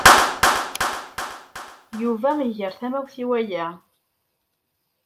Yuba iger tamawt i waya.